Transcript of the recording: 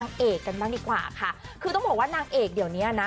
นางเอกกันบ้างดีกว่าค่ะคือต้องบอกว่านางเอกเดี๋ยวเนี้ยนะ